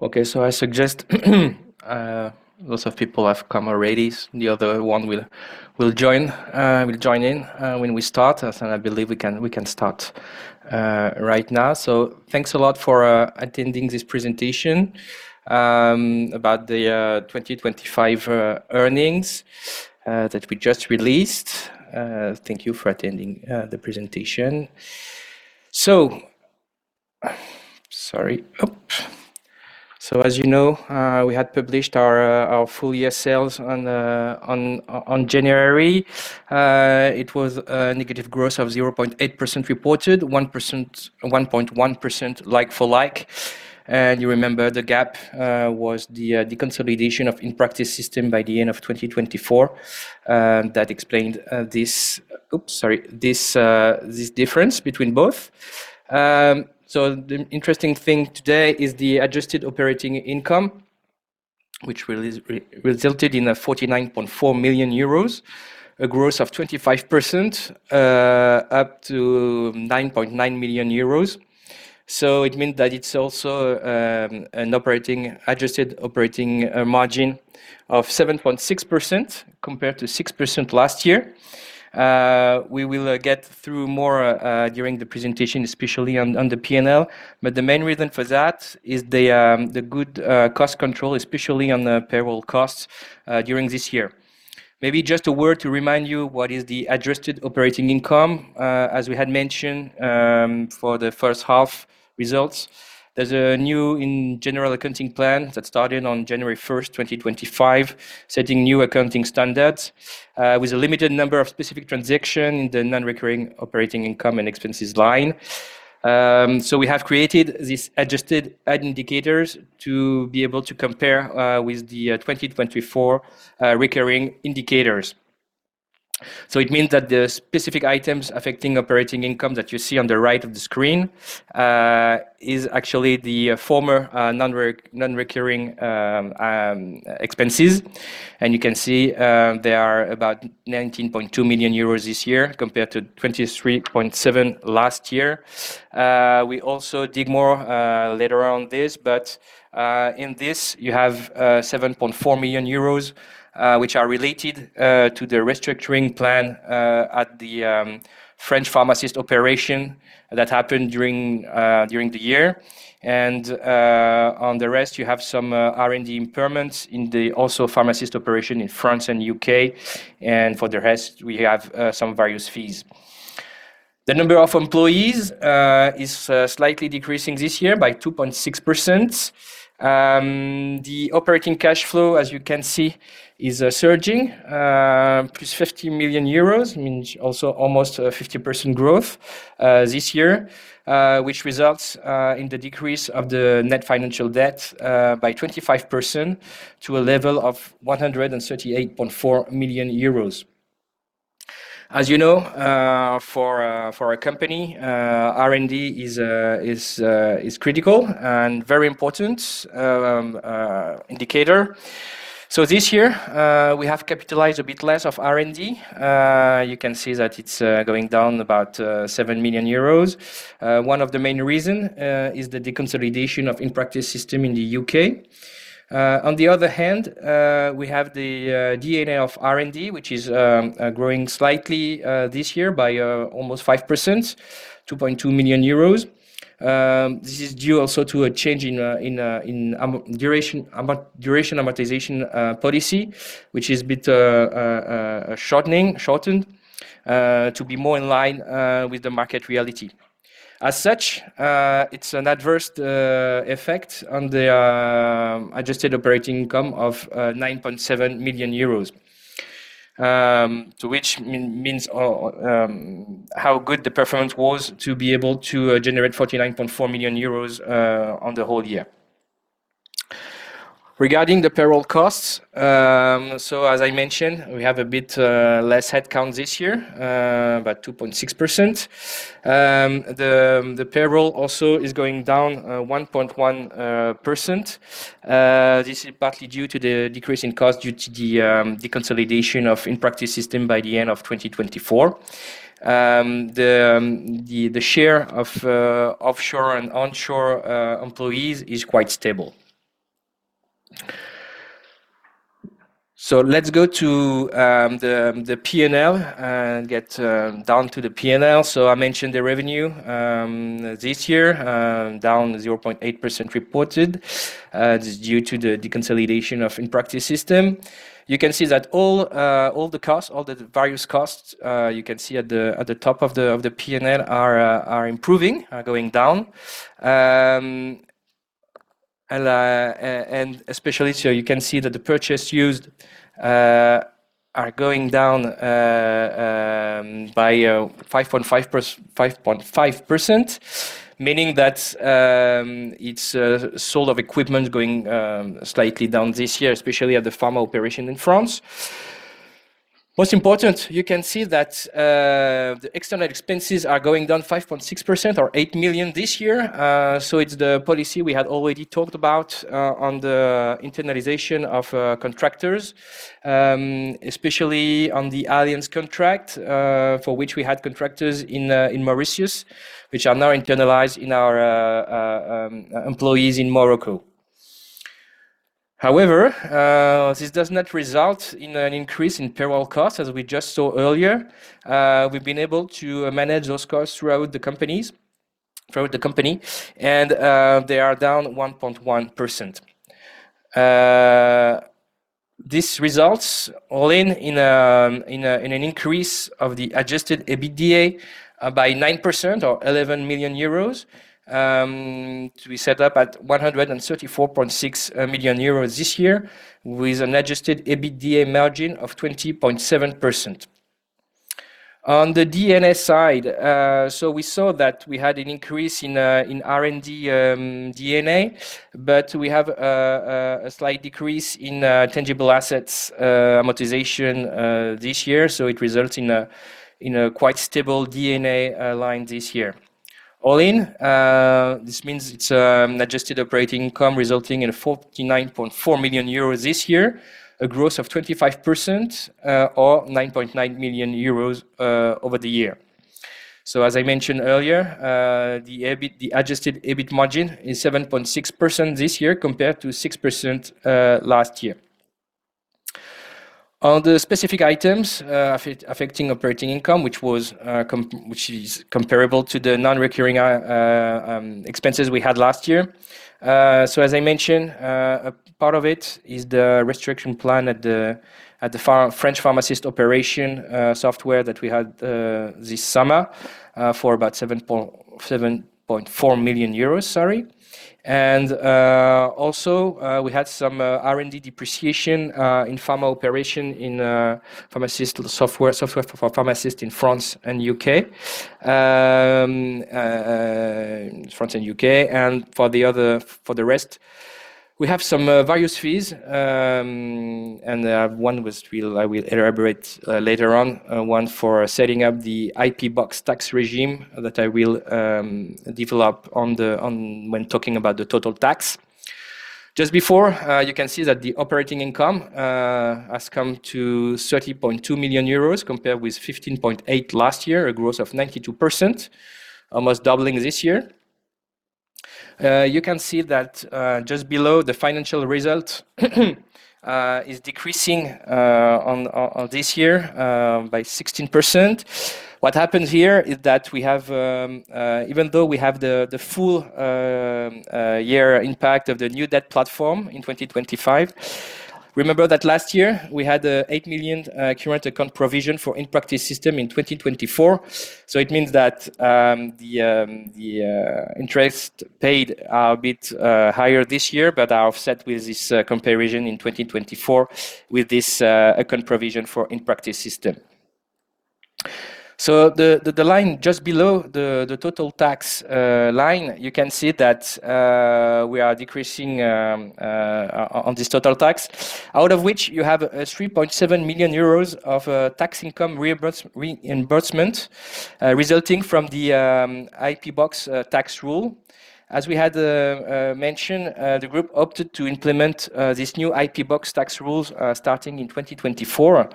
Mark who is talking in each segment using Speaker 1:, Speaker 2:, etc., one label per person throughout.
Speaker 1: Okay, I suggest lots of people have come already. The other one will join in when we start. I believe we can start right now. Thanks a lot for attending this presentation about the 2025 earnings that we just released. Thank you for attending the presentation. As you know, we had published our full year sales on January. It was a negative growth of 0.8% reported, 1.1% like-for-like. You remember the gap was the consolidation of In Practice Systems by the end of 2024. That explained this difference between both. The interesting thing today is the Adjusted Operating Income, which resulted in 49.4 million euros, a growth of 25%, up to 9.9 million euros. It means that it's also an adjusted operating margin of 7.6% compared to 6% last year. We will get through more during the presentation, especially on the P&L. The main reason for that is the good cost control, especially on the payroll costs, during this year. Maybe just a word to remind you what is the Adjusted Operating Income. As we had mentioned, for the first half results, there's a new general accounting plan that started on January 1, 2025, setting new accounting standards, with a limited number of specific transaction in the non-recurring operating income and expenses line. We have created these adjusted EBITDA indicators to be able to compare with the 2024 recurring indicators. It means that the specific items affecting operating income that you see on the right of the screen is actually the former non-recurring expenses. You can see they are about 19.2 million euros this year compared to 23.7 last year. In this you have 7.4 million euros, which are related to the restructuring plan at the French pharmacy operation that happened during the year. On the rest, you have some R&D impairments in the pharmacy operation also in France and U.K. For the rest, we have some various fees. The number of employees is slightly decreasing this year by 2.6%. The operating cash flow, as you can see, is surging. Plus 50 million euros means also almost a 50% growth this year, which results in the decrease of the net financial debt by 25% to a level of 138.4 million euros. As you know, for a company, R&D is critical and very important indicator. This year, we have capitalized a bit less of R&D. You can see that it's going down about 7 million euros. One of the main reason is the deconsolidation of InPractice Systems in the U.K. On the other hand, we have the D&A of R&D, which is growing slightly this year by almost 5%, 2.2 million euros. This is due also to a change in amortization duration policy, which is a bit shortened to be more in line with the market reality. As such, it's an adverse effect on the adjusted operating income of 9.7 million euros. Which means how good the performance was to be able to generate 49.4 million euros on the whole year. Regarding the payroll costs, as I mentioned, we have a bit less headcount this year, about 2.6%. The payroll also is going down 1.1%. This is partly due to the decrease in cost due to the consolidation of InPractice Systems by the end of 2024. The share of offshore and onshore employees is quite stable. Let's go to the P&L and get down to the P&L. I mentioned the revenue this year down 0.8% reported. This is due to the deconsolidation of InPractice Systems. You can see that all the various costs at the top of the P&L are improving, are going down. Especially you can see that the purchases are going down by 5.5%, meaning that it's sale of equipment going slightly down this year, especially at the pharma operation in France. Most important, you can see that the external expenses are going down 5.6% or 8 million this year. It's the policy we had already talked about on the internalization of contractors, especially on the Allianz contract, for which we had contractors in Mauritius, which are now internalized in our employees in Morocco. However, this does not result in an increase in payroll costs, as we just saw earlier. We've been able to manage those costs throughout the company, and they are down 1.1%. This results in an increase of the Adjusted EBITDA by 9% or 11 million euros to 134.6 million euros this year, with an Adjusted EBITDA margin of 20.7%. On the D&A side, we saw that we had an increase in R&D&A, but we have a slight decrease in tangible assets amortization this year, so it results in a quite stable D&A line this year. All in, this means it's adjusted operating income resulting in 49.4 million euros this year, a growth of 25%, or 9.9 million euros over the year. As I mentioned earlier, the adjusted EBIT margin is 7.6% this year compared to 6% last year. On the specific items affecting operating income, which is comparable to the non-recurring expenses we had last year. As I mentioned, a part of it is the restructuring plan at the French pharmacy operation software that we had this summer for about 7.4 million euros, sorry. Also, we had some R&D depreciation in pharmacy operation in pharmacy software for pharmacists in France and U.K. For the rest, we have some various fees, and one which I will elaborate later on, one for setting up the IP Box tax regime that I will develop on when talking about the total tax. Just before you can see that the operating income has come to 30.2 million euros compared with 15.8 million last year, a growth of 92%, almost doubling this year. You can see that just below the financial result is decreasing on this year by 16%. What happens here is that we have even though we have the full year impact of the new debt platform in 2025, remember that last year, we had 8 million current account provision for In Practice Systems in 2024. It means that the interest paid are a bit higher this year, but are offset with this comparison in 2024 with this account provision for In Practice Systems. The line just below the total tax line, you can see that we are decreasing on this total tax, out of which you have a 3.7 million euros of tax income reimbursement resulting from the IP Box tax rule. As we had mentioned, the group opted to implement this new IP Box tax rules starting in 2024.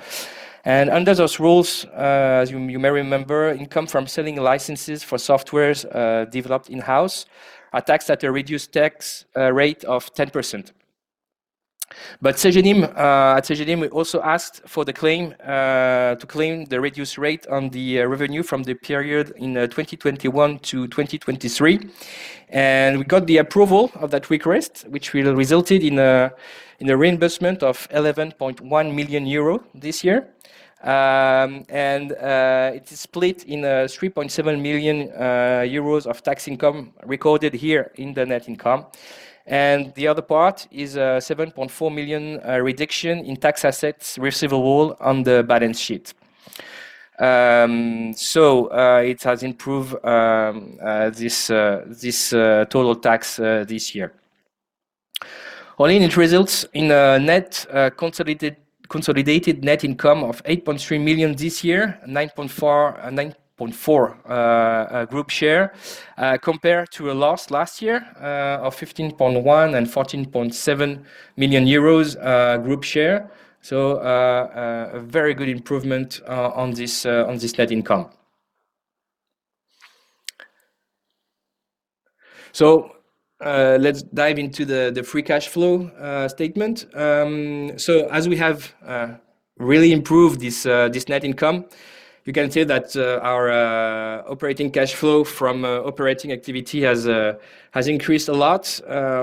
Speaker 1: Under those rules, as you may remember, income from selling licenses for softwares developed in-house are taxed at a reduced tax rate of 10%. But Cegedim, at Cegedim, we also asked to claim the reduced rate on the revenue from the period in 2021-2023. We got the approval of that request, which will resulted in a reimbursement of 11.1 million euro this year. It is split in three point seven million euros of tax income recorded here in the net income. The other part is seven point four million reduction in tax assets receivable on the balance sheet. It has improved this total tax this year. All in, it results in a net consolidated net income of 8.3 million this year, 9.4 group share, compared to a loss last year of 15.1 million and 14.7 million euros group share. A very good improvement on this net income. Let's dive into the free cash flow statement. As we have really improved this net income, you can say that our operating cash flow from operating activity has increased a lot,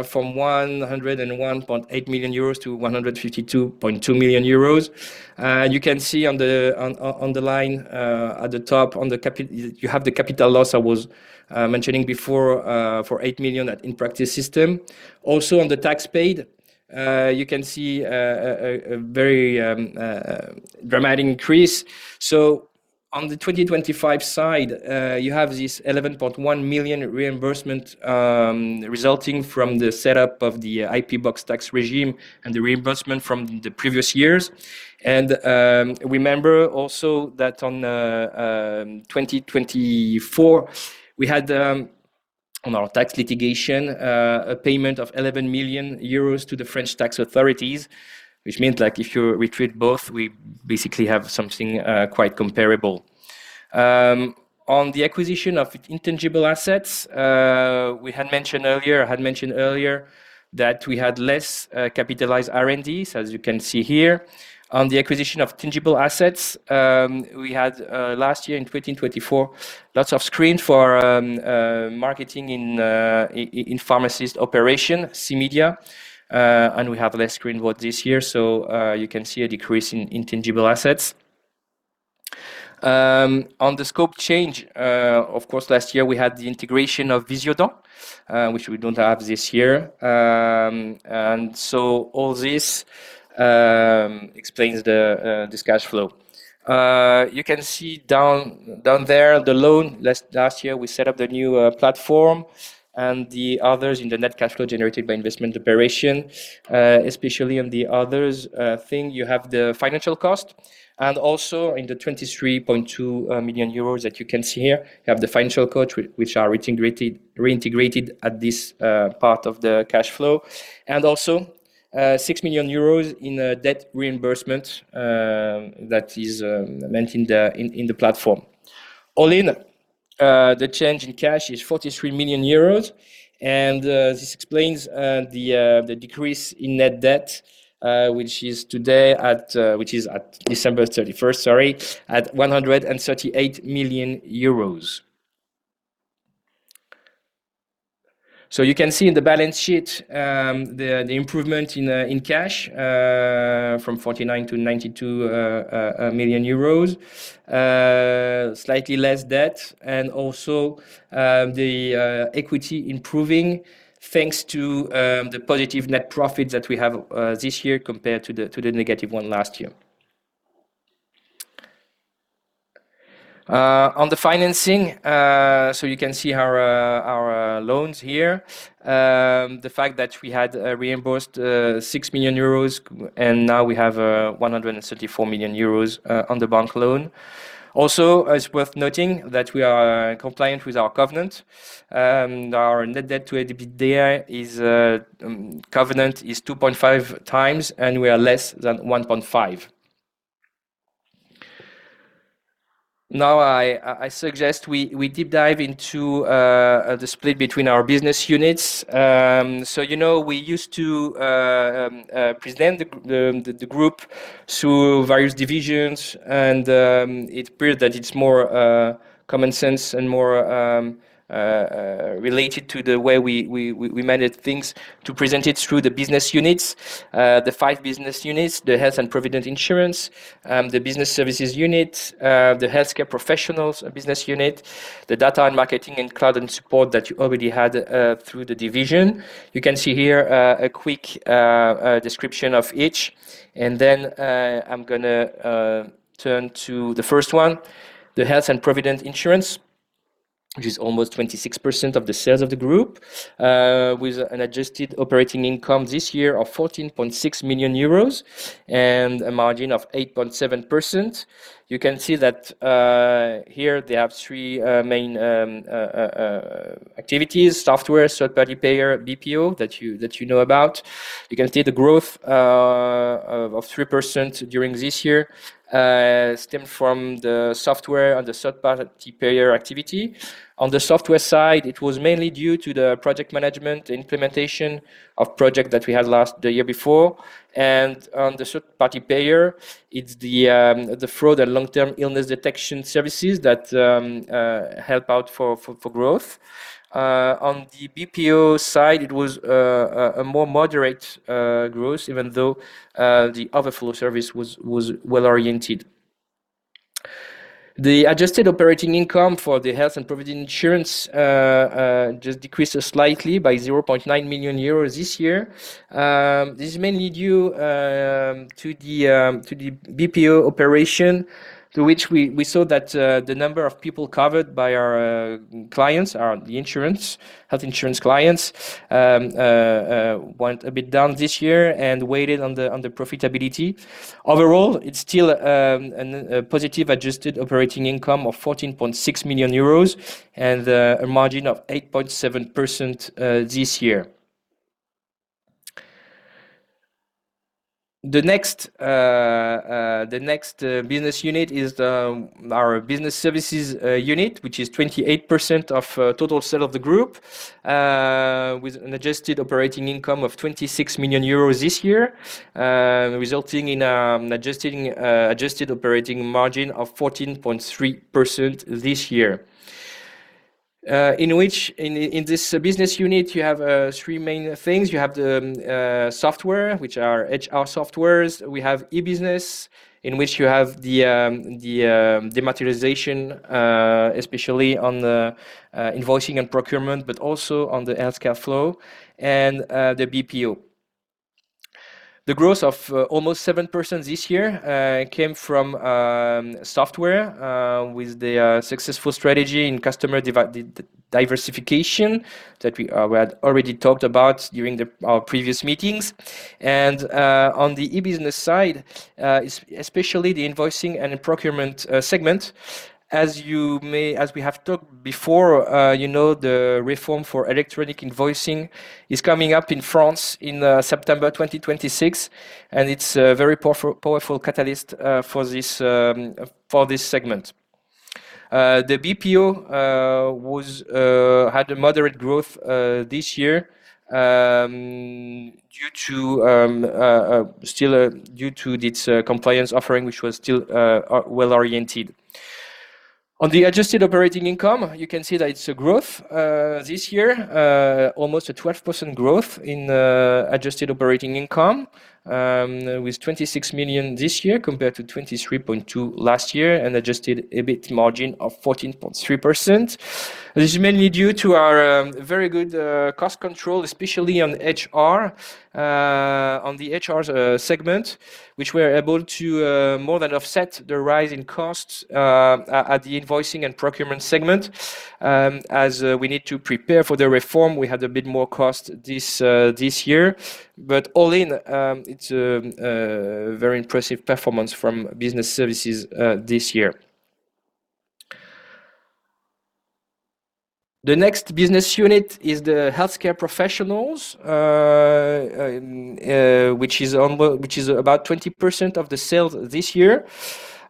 Speaker 1: from 101.8 million euros to 152.2 million euros. You can see on the line at the top the capital loss I was mentioning before for 8 million at InPractice Systems. Also, on the tax paid, you can see a very dramatic increase. On the 2025 side, you have this 11.1 million reimbursement resulting from the setup of the IP Box tax regime and the reimbursement from the previous years. Remember also that on 2024, we had on our tax litigation a payment of 11 million euros to the French tax authorities, which means like if you restate both, we basically have something quite comparable. On the acquisition of intangible assets, we had mentioned earlier that we had less capitalized R&D, as you can see here. On the acquisition of tangible assets, we had last year in 2024 lots of spending for marketing in pharmacy operations, Cegedim Media, and we have less spending this year. You can see a decrease in tangible assets. On the scope change, of course, last year we had the integration of Visiodent, which we don't have this year. All this explains this cash flow. You can see down there the loan. Last year, we set up the new platform and the others in the net cash flow generated by investment operation. Especially on the others thing, you have the financial cost and also in the 23.2 million euros that you can see here, you have the financial costs which are reintegrated at this part of the cash flow. Also, 6 million euros in debt reimbursement that is mentioned in the platform. All in, the change in cash is 43 million euros, and this explains the decrease in net debt, which is at December thirty-first, sorry, at 138 million euros. You can see in the balance sheet the improvement in cash from 49 million to 92 million euros. Slightly less debt and also the equity improving thanks to the positive net profit that we have this year compared to the negative one last year. On the financing, you can see our loans here. The fact that we had reimbursed 6 million euros and now we have 134 million euros on the bank loan. Also, it's worth noting that we are compliant with our covenant. Our net debt to EBITDA covenant is 2.5 times, and we are less than 1.5. Now I suggest we deep dive into the split between our business units. You know, we used to present the group through various divisions, and it appeared that it's more common sense and more related to the way we manage things to present it through the business units. The five business units, the health and provident insurance, the business services unit, the healthcare professionals business unit, the Data & Marketing and Cloud & Support that you already had through the division. You can see here a quick description of each. I'm gonna turn to the first one, the health and provident insurance, which is almost 26% of the sales of the group, with an adjusted operating income this year of 14.6 million euros and a margin of 8.7%. You can see that here they have three main activities, software, third-party payer, BPO, that you know about. You can see the growth of 3% during this year, stemmed from the software and the third-party payer activity. On the software side, it was mainly due to the project management implementation of project that we had the year before. On the third-party payer, it's the fraud and long-term illness detection services that help out for growth. On the BPO side, it was a more moderate growth even though the Outil Flow service was well-oriented. The adjusted operating income for the health and provident insurance just decreased slightly by 0.9 million euros this year. This is mainly due to the BPO operation, to which we saw that the number of people covered by our clients, the insurance health insurance clients, went a bit down this year and weighed on the profitability. Overall, it's still a positive adjusted operating income of 14.6 million euros and a margin of 8.7% this year. The next business unit is our Business Services unit, which is 28% of total sales of the group, with an adjusted operating income of 26 million euros this year, resulting in an adjusted operating margin of 14.3% this year. In this business unit, you have three main things. You have the software, which are HR softwares. We have e-business, in which you have the dematerialization, especially on the invoicing and procurement, but also on the healthcare flow and the BPO. The growth of almost 7% this year came from software with the successful strategy in customer diversification that we had already talked about during our previous meetings. On the e-business side, especially the invoicing and procurement segment, as we have talked before, you know, the reform for electronic invoicing is coming up in France in September 2026, and it's a very powerful catalyst for this segment. The BPO had a moderate growth this year due to its compliance offering, which was still well-oriented. On the Adjusted Operating Income, you can see that it's a growth this year, almost a 12% growth in Adjusted Operating Income, with 26 million this year compared to 23.2 million last year, an adjusted EBIT margin of 14.3%. This is mainly due to our very good cost control, especially on HR, on the HR segment, which we are able to more than offset the rise in costs at the invoicing and procurement segment. As we need to prepare for the reform, we had a bit more cost this year. All in, it's very impressive performance from business services this year. The next business unit is the healthcare professionals, which is about 20% of the sales this year.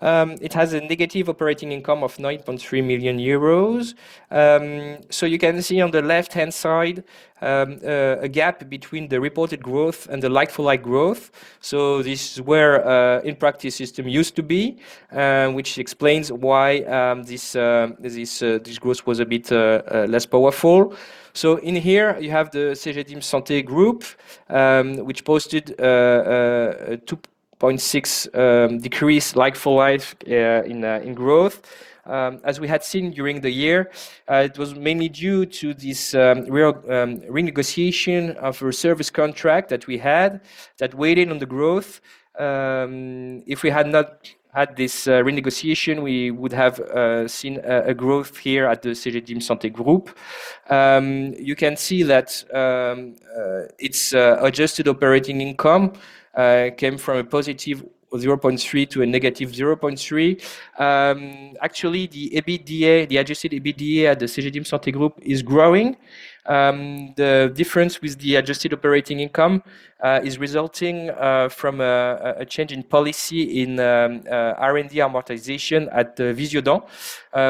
Speaker 1: It has a negative operating income of 9.3 million euros. You can see on the left-hand side a gap between the reported growth and the like-for-like growth. This is where InPractice Systems used to be, which explains why this growth was a bit less powerful. In here, you have the Cegedim Santé group, which posted a 2.6% decrease like-for-like in growth. As we had seen during the year, it was mainly due to this renegotiation of a service contract that we had that weighed in on the growth. If we had not had this renegotiation, we would have seen a growth here at the Cegedim Santé group. You can see that its adjusted operating income came from a positive 0.3 to a negative 0.3. Actually, the EBITDA, the Adjusted EBITDA at the Cegedim Santé group is growing. The difference with the Adjusted Operating Income is resulting from a change in policy in R&D amortization at Visiodent,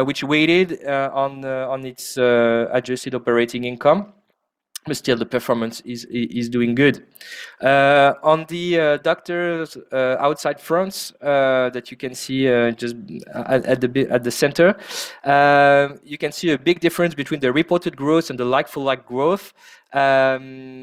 Speaker 1: which weighed on its Adjusted Operating Income. Still the performance is doing good. On the doctors outside France that you can see just at the center, you can see a big difference between the reported growth and the like-for-like growth.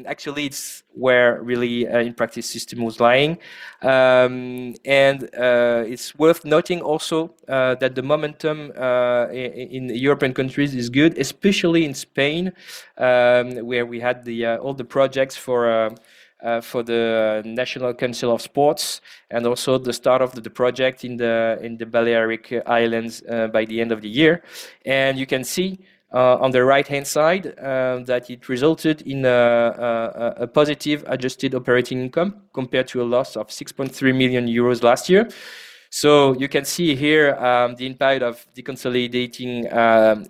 Speaker 1: Actually, it's where really InPractice Systems was lying. It's worth noting also that the momentum in European countries is good, especially in Spain, where we had all the projects for the National Council of Sports, and also the start of the project in the Balearic Islands by the end of the year. You can see on the right-hand side that it resulted in a positive Adjusted Operating Income compared to a loss of 6.3 million euros last year. You can see here the impact of deconsolidating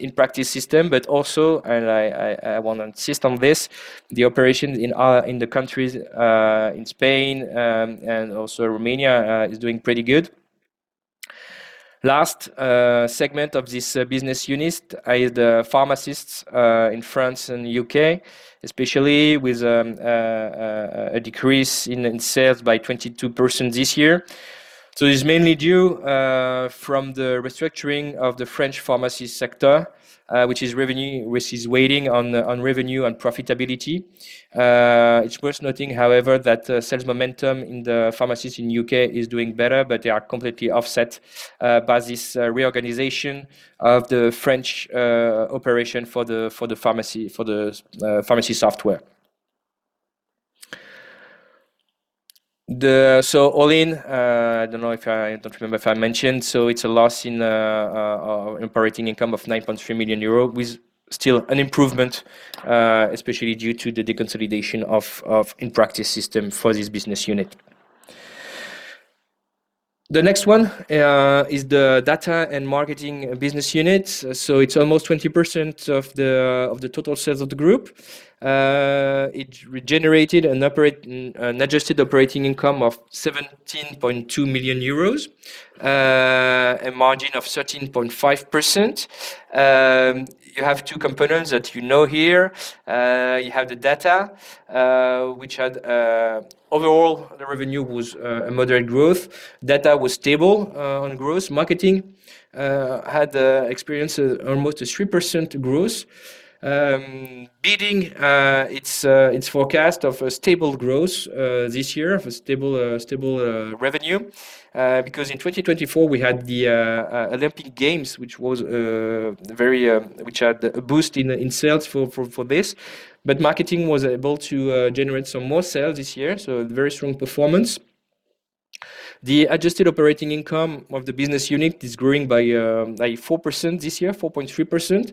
Speaker 1: InPractice Systems, but also, I want to insist on this, the operations in the countries in Spain and also Romania is doing pretty good. Last segment of this business unit is the pharmacists in France and U.K., especially with a decrease in sales by 22% this year. It's mainly due from the restructuring of the French pharmacy sector, which is weighing on revenue and profitability. It's worth noting, however, that sales momentum in the pharmacies in U.K. is doing better, but they are completely offset by this reorganization of the French operation for the pharmacy software. All in, I don't remember if I mentioned, it's a loss in operating income of 9.3 million euros, with still an improvement, especially due to the deconsolidation of InPractice Systems for this business unit. The next one is the Data & Marketing business unit. It's almost 20% of the total sales of the group. It generated an adjusted operating income of 17.2 million euros, a margin of 13.5%. You have two components that you know here. You have the data, which had overall the revenue was a moderate growth. Data was stable on growth. Marketing had experienced almost a 3% growth, beating its forecast of a stable growth this year, of a stable revenue. Because in 2024, we had the Olympic Games, which had a boost in sales for this. Marketing was able to generate some more sales this year, so very strong performance. The Adjusted Operating Income of the business unit is growing by 4% this year, 4.3%.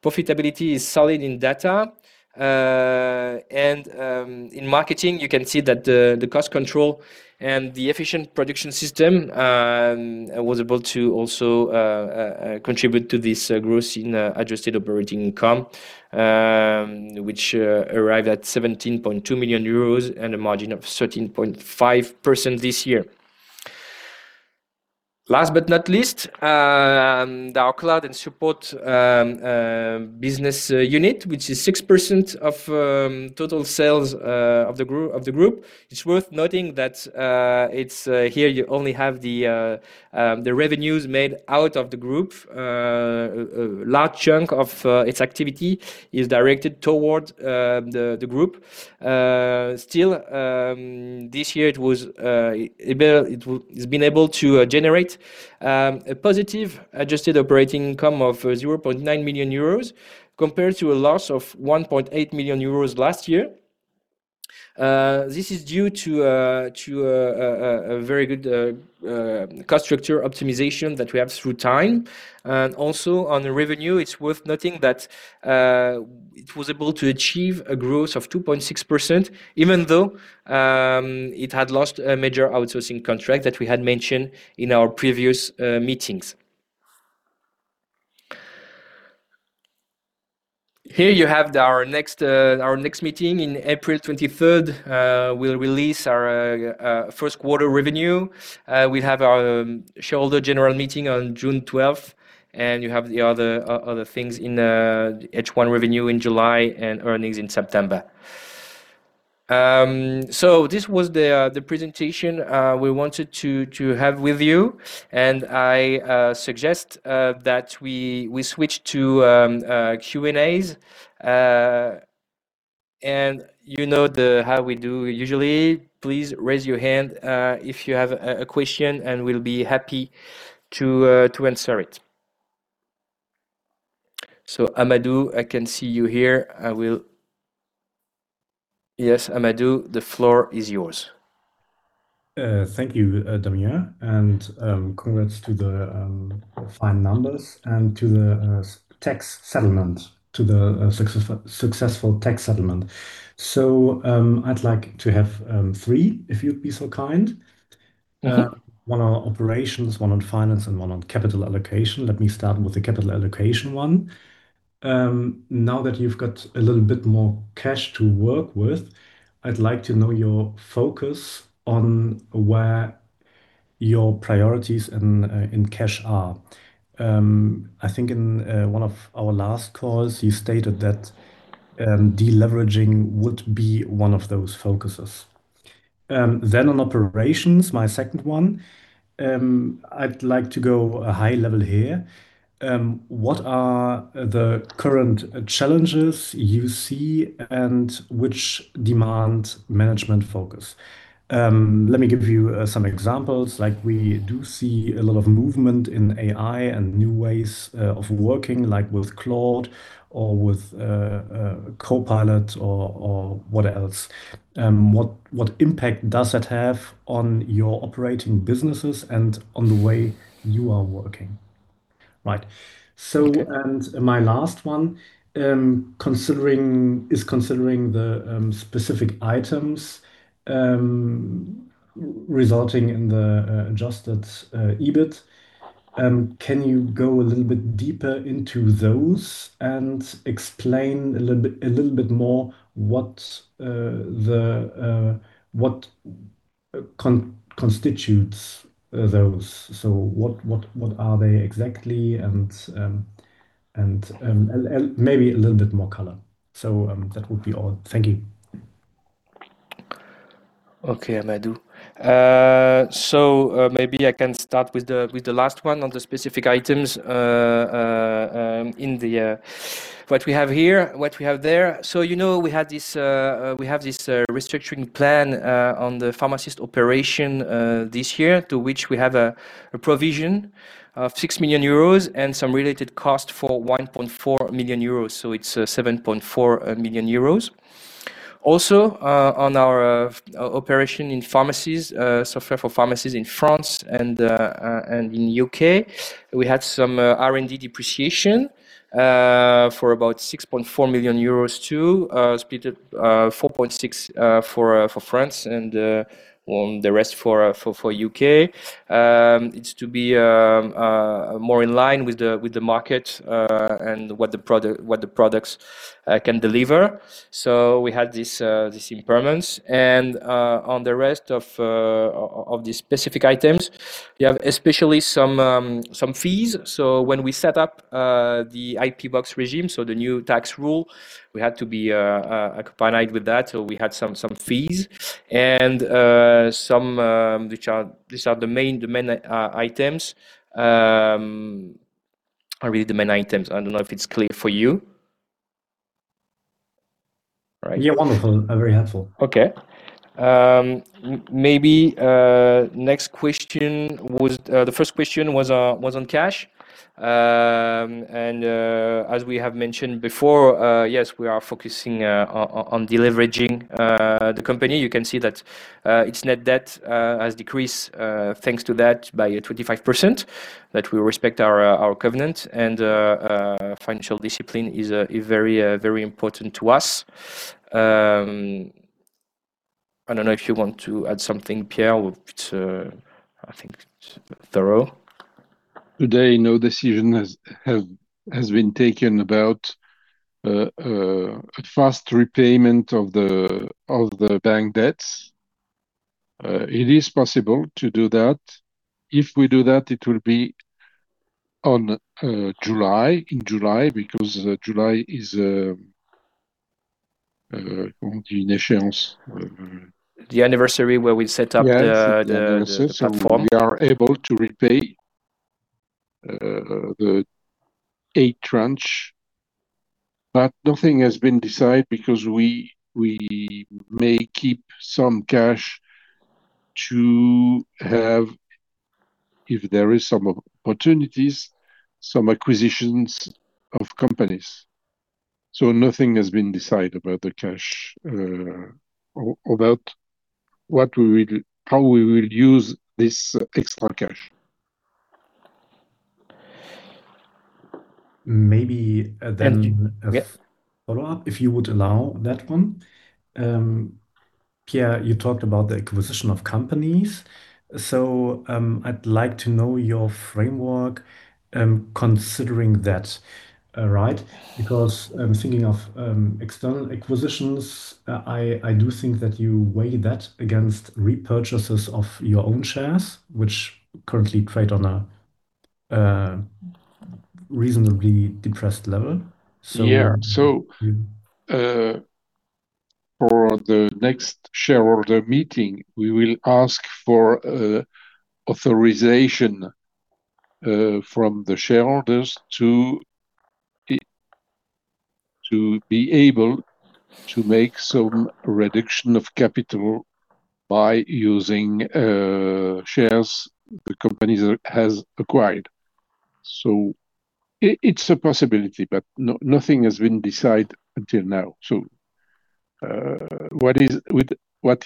Speaker 1: Profitability is solid in Data. In marketing, you can see that the cost control and the efficient production system was able to also contribute to this growth in Adjusted Operating Income, which arrived at 17.2 million euros and a margin of 13.5% this year. Last but not least, our Cloud & Support business unit, which is 6% of total sales of the group. It's worth noting that here you only have the revenues made outside the group. A large chunk of its activity is directed towards the group. Still, this year it's been able to generate a positive Adjusted Operating Income of 0.9 million euros compared to a loss of 1.8 million euros last year. This is due to a very good cost structure optimization that we have over time. Also on the revenue, it's worth noting that it was able to achieve a growth of 2.6%, even though it had lost a major outsourcing contract that we had mentioned in our previous meetings. Here you have our next meeting in April 23rd. We'll release our first quarter revenue. We have our shareholder general meeting on June twelfth, and you have the other things in the H1 revenue in July and earnings in September. This was the presentation we wanted to have with you, and I suggest that we switch to Q&As. You know how we do usually. Please raise your hand if you have a question, and we'll be happy to answer it. Amadou, I can see you here. Yes, Amadou, the floor is yours.
Speaker 2: Thank you, Damien, and congrats to the fine numbers and to the tax settlement, to the successful tax settlement. I'd like to have three, if you'd be so kind.
Speaker 1: Mm-hmm.
Speaker 2: One on operations, one on finance, and one on capital allocation. Let me start with the capital allocation one. Now that you've got a little bit more cash to work with, I'd like to know your focus on where your priorities in cash are. I think in one of our last calls, you stated that deleveraging would be one of those focuses. On operations, my second one, I'd like to go high level here. What are the current challenges you see and which demand management focus? Let me give you some examples. Like we do see a lot of movement in AI and new ways of working, like with Claude or with Copilot or what else. What impact does that have on your operating businesses and on the way you are working? Right.
Speaker 1: Okay.
Speaker 2: My last one, considering the specific items resulting in the adjusted EBIT. Can you go a little bit deeper into those and explain a little bit more what constitutes those? What are they exactly and maybe a little bit more color. That would be all. Thank you.
Speaker 1: Okay, Amadou. Maybe I can start with the last one on the specific items in what we have here, what we have there. You know, we have this restructuring plan on the pharmacy operation this year, to which we have a provision of 6 million euros and some related cost for 1.4 million euros. It's 7.4 million euros. Also, on our operation in pharmacies, software for pharmacies in France and in U.K., we had some R&D depreciation for about 6.4 million euros too, split at 4.6 million for France and the rest for U.K. It's to be more in line with the market and what the products can deliver. We had this impairments. On the rest of the specific items, you have especially some fees. When we set up the IP Box regime, so the new tax rule, we had to be compliant with that, so we had some fees. These are really the main items. I don't know if it's clear for you. Right?
Speaker 2: Yeah. Wonderful. Very helpful.
Speaker 1: Okay. Maybe the first question was on cash. As we have mentioned before, yes, we are focusing on deleveraging the company. You can see that its net debt has decreased thanks to that by 25%, that we respect our covenant and financial discipline is very important to us. I don't know if you want to add something, Pierre. I think it's thorough.
Speaker 3: Today, no decision has been taken about a fast repayment of the bank debts. It is possible to do that. If we do that, it will be in July, because July is.
Speaker 1: The anniversary where we set up the platform.
Speaker 3: Yes, the anniversary. We are able to repay the 8 tranche. Nothing has been decided because we may keep some cash if there is some opportunities, some acquisitions of companies. Nothing has been decided about the cash or about how we will use this extra cash.
Speaker 2: Maybe then.
Speaker 1: Thank you. Yes.
Speaker 2: A follow-up, if you would allow that one. Pierre, you talked about the acquisition of companies. I'd like to know your framework, considering that, right? Because I'm thinking of external acquisitions. I do think that you weigh that against repurchases of your own shares, which currently trade on a reasonably depressed level.
Speaker 3: Yeah. For the next shareholder meeting, we will ask for authorization from the shareholders to be able to make some reduction of capital by using shares the company has acquired. It's a possibility, but nothing has been decided until now. What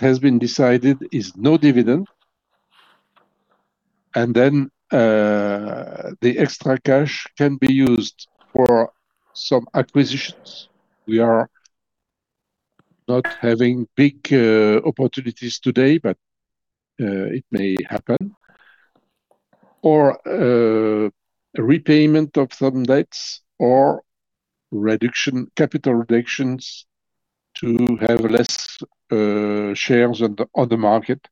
Speaker 3: has been decided is no dividend, and then the extra cash can be used for some acquisitions. We are not having big opportunities today, but it may happen. Or a repayment of some debts or capital reductions to have less shares on the market.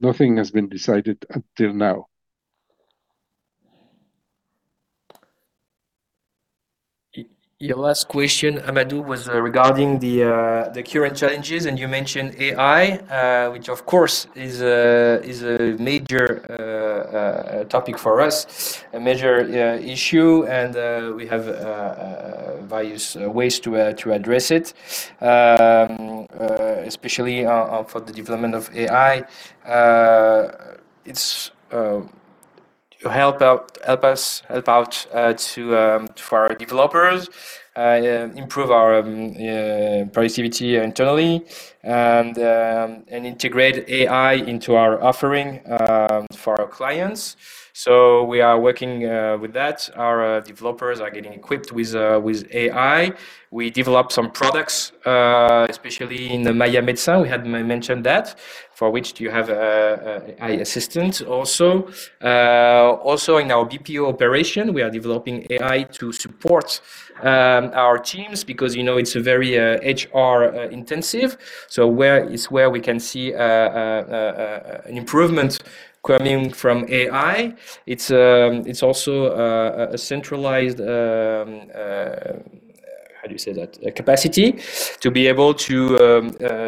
Speaker 3: Nothing has been decided until now.
Speaker 1: Your last question, Amadou, was regarding the current challenges, and you mentioned AI, which of course is a major topic for us, a major issue. We have various ways to address it, especially for the development of AI to help our developers improve our productivity internally and integrate AI into our offering for our clients. We are working with that. Our developers are getting equipped with AI. We developed some products, especially in the Maiia Médecin. We had mentioned that, for which you have AI assistance also. Also in our BPO operation, we are developing AI to support our teams because, you know, it's a very HR intensive. It's where we can see an improvement coming from AI. It's also a centralized capacity to be able to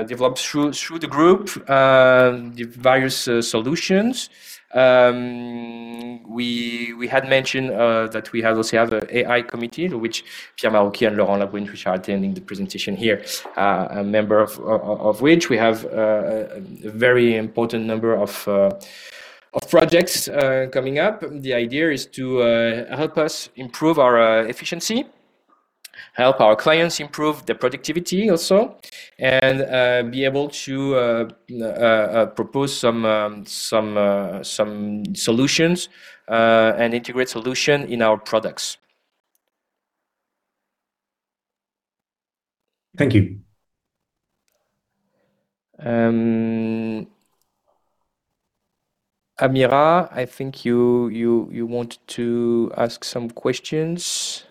Speaker 1: develop through the group the various solutions. We had mentioned that we have an AI committee to which Pierre Marucchi and Laurent Labrune, which are attending the presentation here, are a member of which we have a very important number of projects coming up. The idea is to help us improve our efficiency, help our clients improve their productivity also, and be able to propose some solutions and integrate solutions in our products.
Speaker 2: Thank you.
Speaker 1: Amira, I think you want to ask some questions.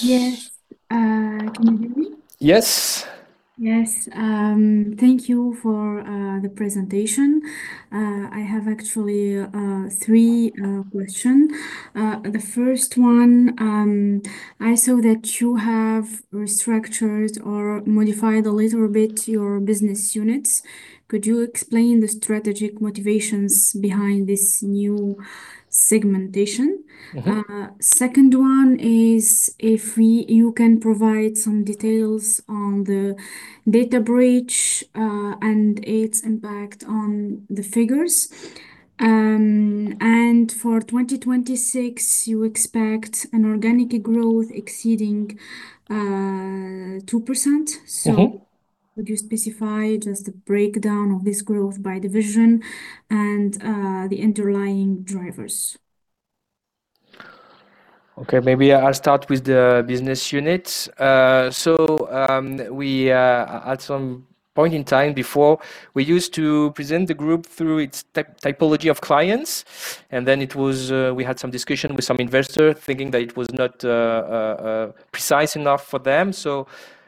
Speaker 4: Yes. Can you hear me?
Speaker 1: Yes.
Speaker 4: Yes. Thank you for the presentation. I have actually three question. The first one, I saw that you have restructured or modified a little bit your business units. Could you explain the strategic motivations behind this new segmentation?
Speaker 1: Mm-hmm.
Speaker 4: Second one is if you can provide some details on the data breach and its impact on the figures. For 2026, you expect an organic growth exceeding 2%.
Speaker 1: Mm-hmm.
Speaker 4: Would you specify just the breakdown of this growth by division and the underlying drivers?
Speaker 1: Okay, maybe I'll start with the business units. At some point in time before, we used to present the group through its typology of clients, and then it was, we had some discussion with some investor thinking that it was not precise enough for them.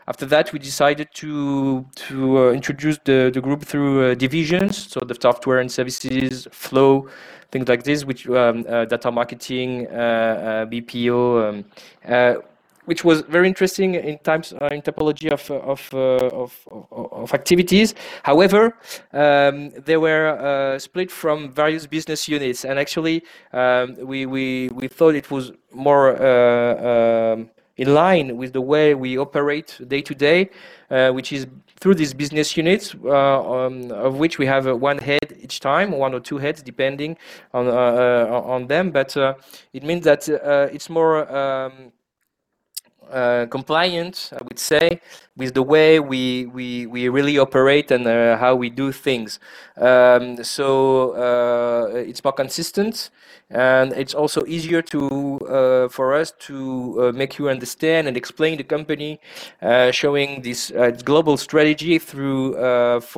Speaker 1: After that, we decided to introduce the group through divisions, so the software and services flow, things like this, which Data & Marketing, BPO, which was very interesting in terms of typology of activities. However, they were split from various business units and actually, we thought it was more in line with the way we operate day-to-day, which is through these business units, of which we have one head each time, one or two heads, depending on them. It means that it's more compliant, I would say, with the way we really operate and how we do things. It's more consistent, and it's also easier for us to make you understand and explain the company, showing this global strategy through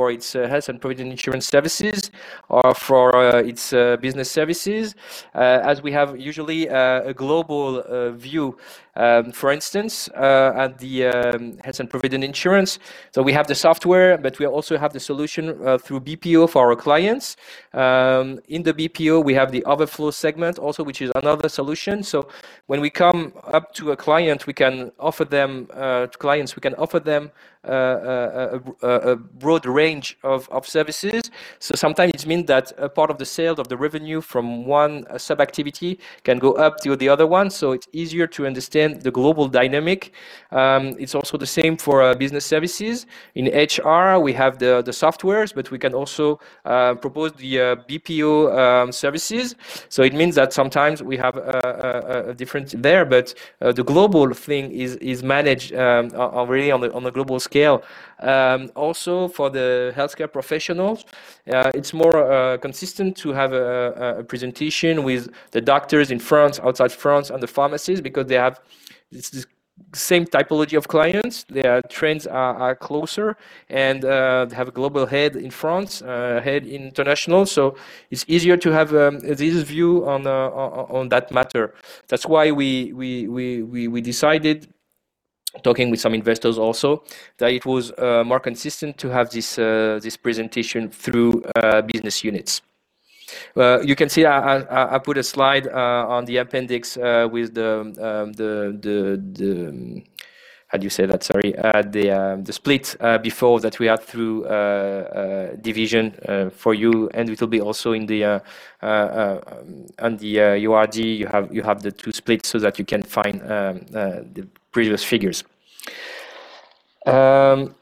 Speaker 1: its health and provident insurance services or for its business services, as we have usually a global view, for instance, at the health and provident insurance. We have the software, but we also have the solution through BPO for our clients. In the BPO, we have the Outil Flow segment also, which is another solution. When we come up to a client, we can offer them a broad range of services. Sometimes it means that a part of the sales of the revenue from one sub-activity can go up to the other one, so it's easier to understand the global dynamic. It's also the same for business services. In HR, we have the software, but we can also propose the BPO services. It means that sometimes we have a difference there, but the global thing is managed really on a global scale. Also for the healthcare professionals, it's more consistent to have a presentation with the doctors in France, outside France, and the pharmacies because they have the same typology of clients. Their trends are closer, and they have a global head in France, a head international, so it's easier to have this view on that matter. That's why we decided, talking with some investors also, that it was more consistent to have this presentation through business units. You can see I put a slide on the appendix with the split before that we had through division for you, and it will be also in the URD. You have the two splits so that you can find the previous figures. On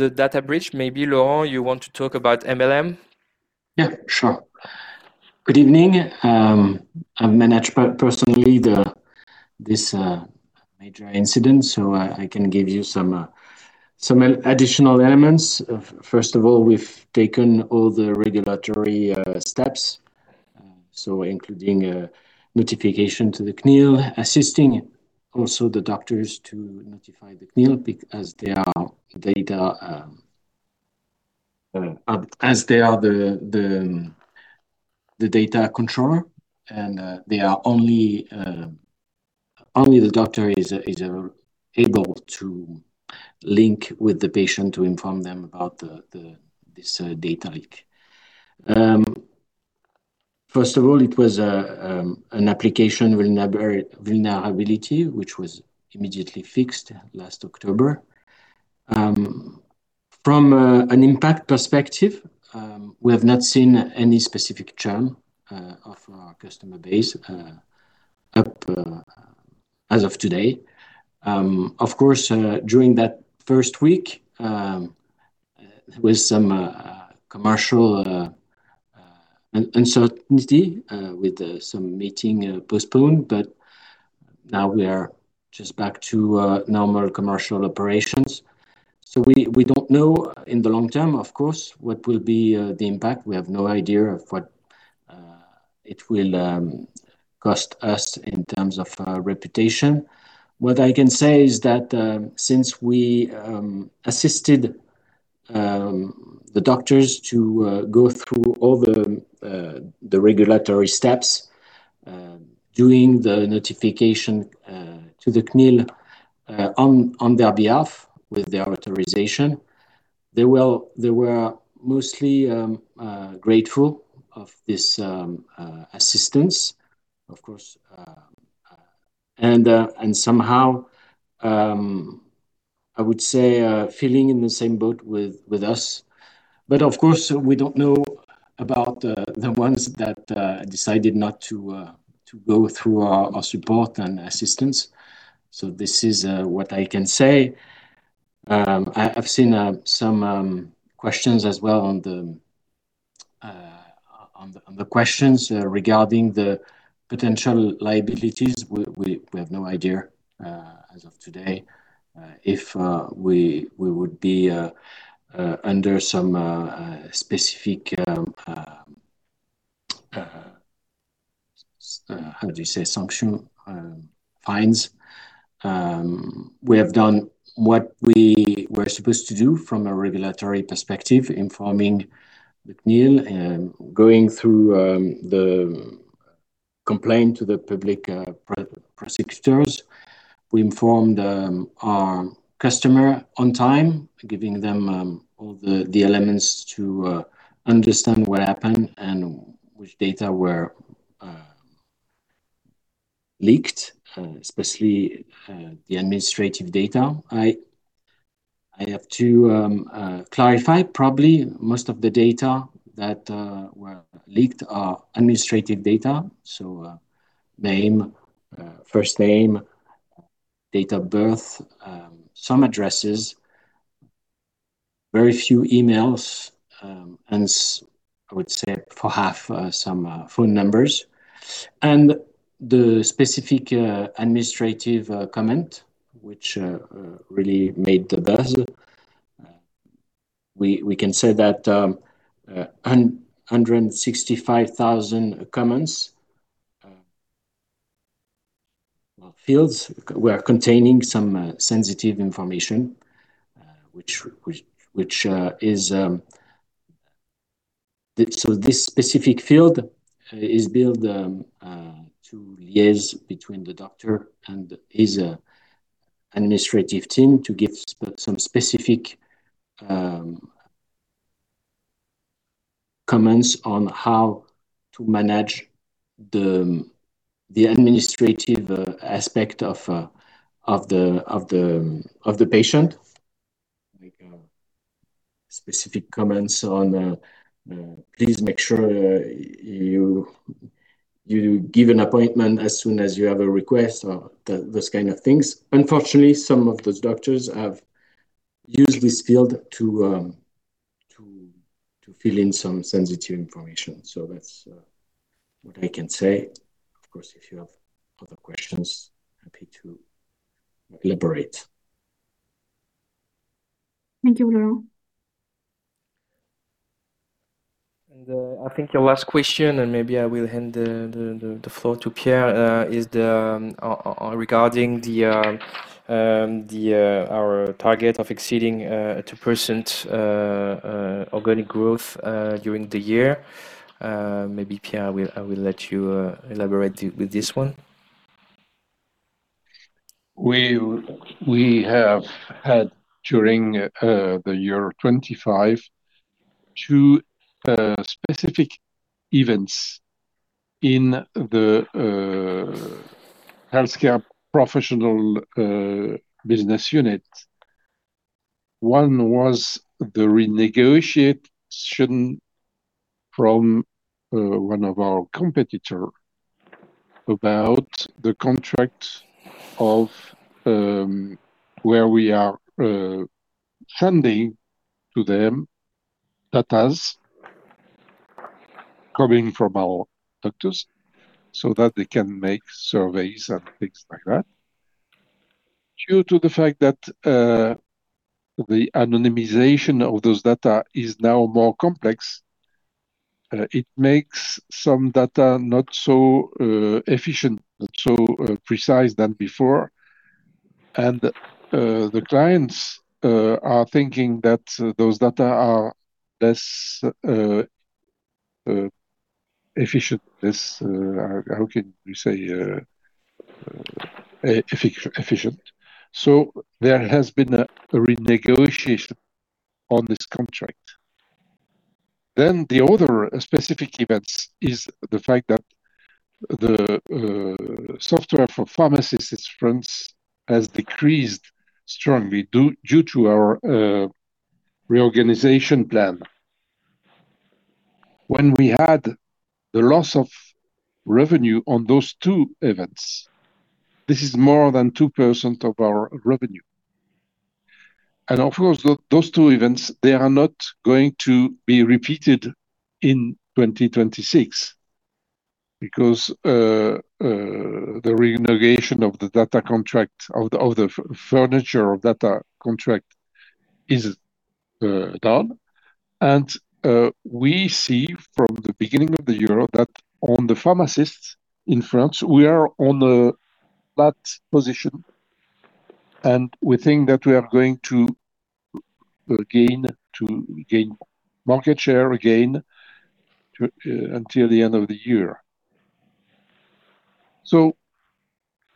Speaker 1: the data breach, maybe Laurent, you want to talk about MLM?
Speaker 5: Yeah, sure. Good evening. I've managed personally this major incident, so I can give you some additional elements. First of all, we've taken all the regulatory steps, so including a notification to the CNIL, assisting also the doctors to notify the CNIL as they are the data controller, and only the doctor is able to link with the patient to inform them about this data leak. First of all, it was an application vulnerability which was immediately fixed last October. From an impact perspective, we have not seen any specific churn of our customer base up as of today. Of course, during that first week, there was some commercial uncertainty with some meetings postponed, but now we are just back to normal commercial operations. We don't know in the long term, of course, what will be the impact. We have no idea of what it will cost us in terms of reputation. What I can say is that since we assisted the doctors to go through all the regulatory steps, doing the notification to the CNIL on their behalf with their authorization, they were mostly grateful of this assistance, of course, and somehow I would say feeling in the same boat with us. Of course, we don't know about the ones that decided not to go through our support and assistance. This is what I can say. I've seen some questions as well on the questions regarding the potential liabilities. We have no idea. As of today, if we would be under some specific, how do you say, sanction fines. We have done what we were supposed to do from a regulatory perspective, informing CNIL and going through the complaint to the public prosecutors. We informed our customer on time, giving them all the elements to understand what happened and which data were leaked, especially the administrative data. I have to clarify probably most of the data that were leaked are administrative data, so name, first name, date of birth, some addresses, very few emails, and I would say for half some phone numbers. The specific administrative comment, which really made the buzz, we can say that 165,000 comments, fields were containing some sensitive information, which is. This specific field is built to liaise between the doctor and his administrative team to give some specific comments on how to manage the administrative aspect of the patient. Like specific comments on please make sure you give an appointment as soon as you have a request or those kind of things. Unfortunately, some of those doctors have used this field to fill in some sensitive information. That's what I can say. Of course, if you have other questions, happy to elaborate.
Speaker 4: Thank you, Laurent.
Speaker 5: I think your last question, and maybe I will hand the floor to Pierre, is regarding our target of exceeding 2% organic growth during the year. Maybe Pierre, I will let you elaborate with this one.
Speaker 3: We have had during the year 2025, two specific events in the Healthcare Professionals business unit. One was the renegotiation from one of our competitor about the contract of where we are sending to them data coming from our doctors so that they can make surveys and things like that. Due to the fact that the anonymization of those data is now more complex, it makes some data not so efficient, not so precise than before. The clients are thinking that those data are less efficient. There has been a renegotiation on this contract. The other specific events is the fact that the software for pharmacists in France has decreased strongly due to our reorganization plan. When we had the loss of revenue on those two events, this is more than 2% of our revenue. Of course, those two events, they are not going to be repeated in 2026 because the renegotiation of the data contract of the former data contract is done. We see from the beginning of the year that on the pharmacists in France, we are on a bad position, and we think that we are going to gain market share again until the end of the year.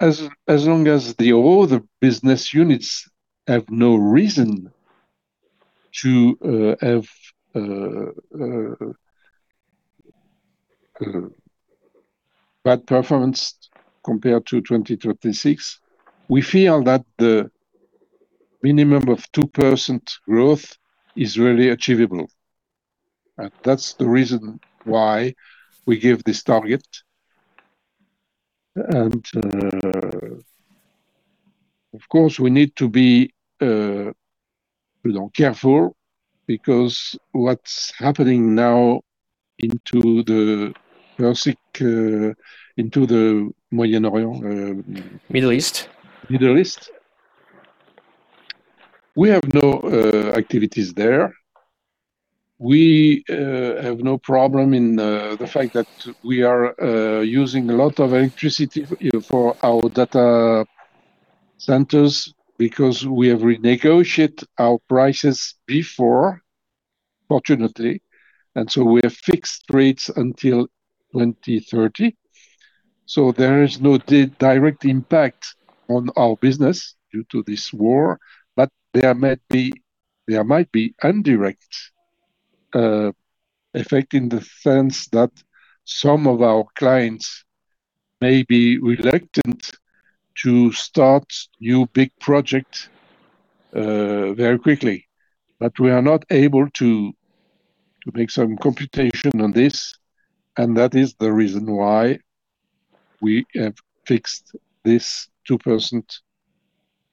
Speaker 3: As long as the other business units have no reason to have bad performance compared to 2026, we feel that the minimum of 2% growth is really achievable. That's the reason why we give this target. Of course, we need to be careful because what's happening now in the Persian, in the Middle East.
Speaker 1: Middle East
Speaker 3: Middle East. We have no activities there. We have no problem in the fact that we are using a lot of electricity for our data centers because we have renegotiate our prices before, fortunately, and so we have fixed rates until 2030. There is no direct impact on our business due to this war, but there might be indirect effect in the sense that some of our clients may be reluctant to start new big project very quickly. We are not able to make some computation on this, and that is the reason why we have fixed this 2%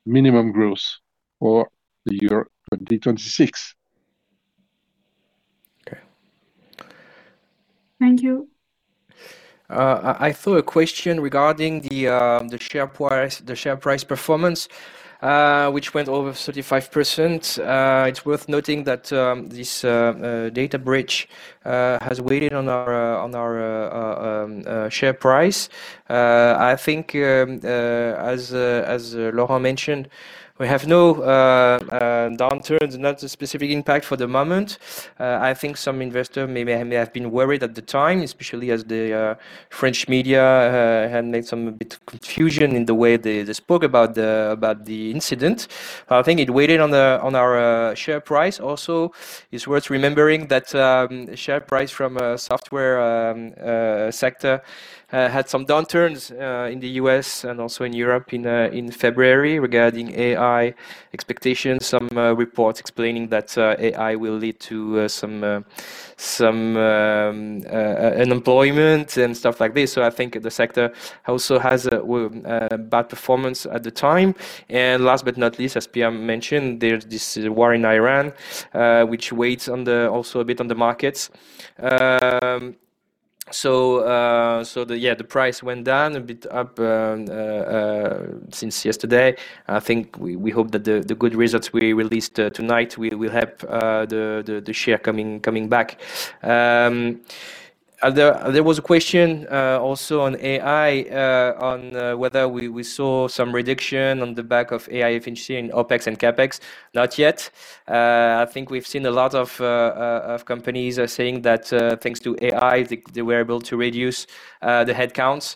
Speaker 3: minimum growth for the year 2026.
Speaker 1: Okay.
Speaker 4: Thank you.
Speaker 1: I saw a question regarding the share price performance, which went over 35%. It's worth noting that this data breach has weighed on our share price. I think as Laurent mentioned, we have no downturns, not a specific impact for the moment. I think some investor may have been worried at the time, especially as the French media had made some bit confusion in the way they spoke about the incident. But I think it weighed on our share price. Also, it's worth remembering that share price from software sector had some downturns in the U.S. and also in Europe in February regarding AI expectations. Some reports explaining that AI will lead to some unemployment and stuff like this. I think the sector also has a bad performance at the time. Last but not least, as Pierre mentioned, there's this war in Iran which weighs on the also a bit on the markets. Yeah, the price went down a bit up since yesterday. I think we hope that the good results we released tonight will help the share coming back. There was a question also on AI on whether we saw some reduction on the back of AI efficiency in OpEx and CapEx. Not yet. I think we've seen a lot of companies are saying that thanks to AI, they were able to reduce the headcounts.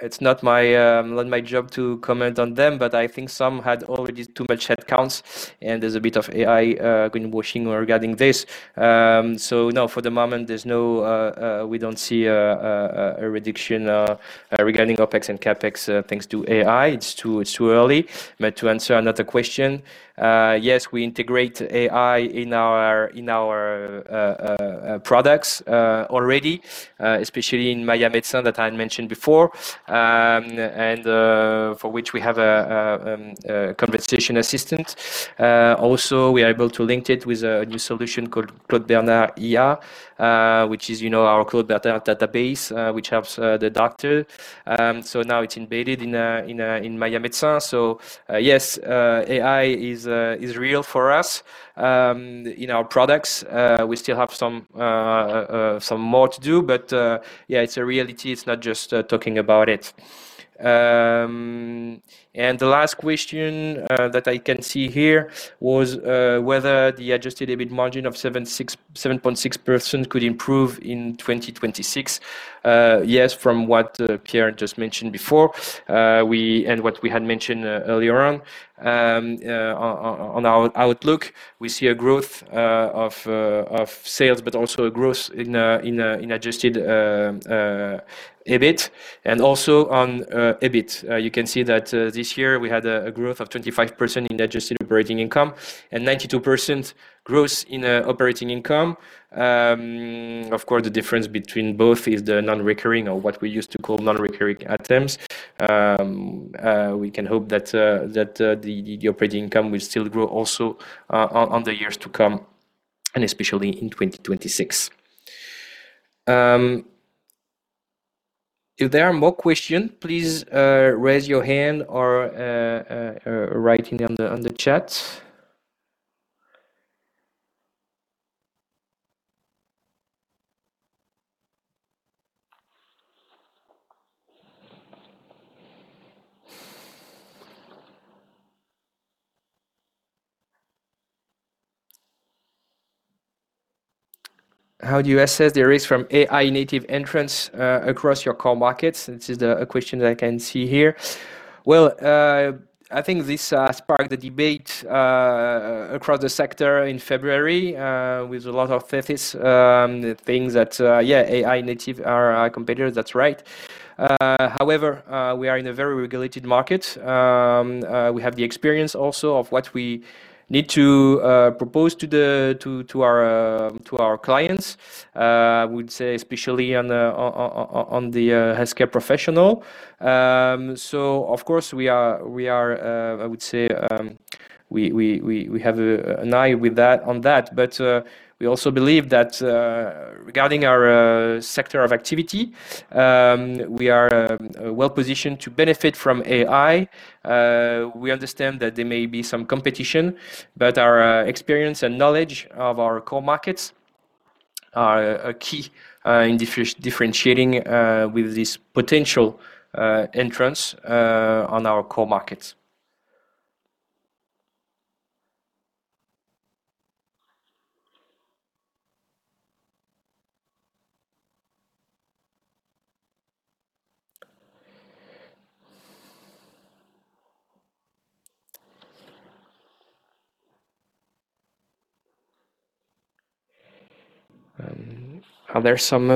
Speaker 1: It's not my job to comment on them, but I think some had already too much headcounts, and there's a bit of AI greenwashing regarding this. No, for the moment, we don't see a reduction regarding OpEx and CapEx thanks to AI. It's too early. To answer another question, yes, we integrate AI in our products already, especially in Maiia Médecin that I had mentioned before, and for which we have a conversation assistant. Also, we are able to link it with a new solution called Claude Bernard IA, which is, you know, our Claude Bernard database, which helps the doctor. Now it's embedded in Maiia Médecin. Yes, AI is real for us in our products. We still have some more to do, but yeah, it's a reality. It's not just talking about it. The last question that I can see here was whether the adjusted EBIT margin of 7.6% could improve in 2026. Yes, from what Pierre just mentioned before, and what we had mentioned earlier on our outlook, we see a growth of sales, but also a growth in adjusted EBIT and also on EBIT. You can see that this year we had a growth of 25% in Adjusted Operating Income and 92% growth in operating income. Of course, the difference between both is the non-recurring or what we used to call non-recurring items. We can hope that the operating income will still grow also on the years to come, and especially in 2026. If there are more questions, please raise your hand or write in the chat. How do you assess the risk from AI native entrants across your core markets? This is a question that I can see here. Well, I think this sparked the debate across the sector in February with a lot of theses things that yeah, AI native are our competitors. That's right. However, we are in a very regulated market. We have the experience also of what we need to propose to our clients, I would say especially on the healthcare professional. Of course we are. I would say we have an eye on that. We also believe that regarding our sector of activity we are well-positioned to benefit from AI. We understand that there may be some competition, but our experience and knowledge of our core markets are a key in differentiating with this potential entrance on our core markets. Are there some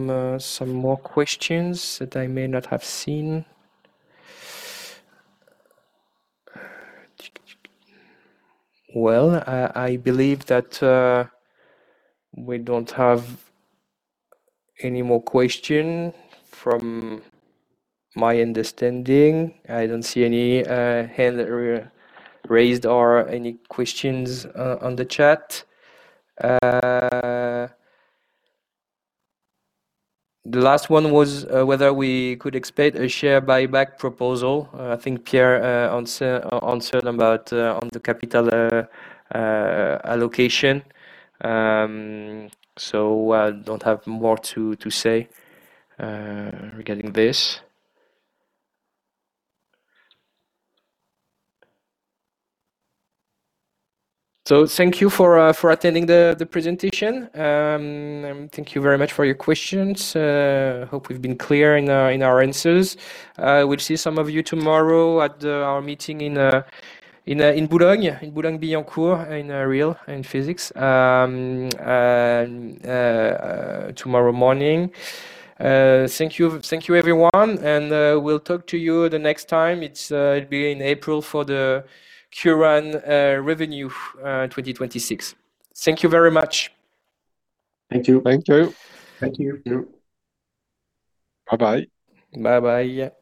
Speaker 1: more questions that I may not have seen? Well, I believe that we don't have any more question from my understanding. I don't see any hand raised or any questions on the chat. The last one was whether we could expect a share buyback proposal. I think Pierre answered about the capital allocation. I don't have more to say regarding this. Thank you for attending the presentation. Thank you very much for your questions. Hope we've been clear in our answers. We'll see some of you tomorrow at our meeting in Boulogne-Billancourt, in person, tomorrow morning. Thank you, everyone, and we'll talk to you the next time. It'll be in April for the current revenue 2026. Thank you very much.
Speaker 2: Thank you.
Speaker 6: Thank you.
Speaker 7: Thank you.
Speaker 1: Bye-bye.
Speaker 2: Bye-bye.
Speaker 7: Bye.